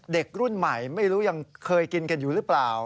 เด็กรุ่นใหม่ไม่รู้ยังเคยกินกันอยู่หรือเปล่า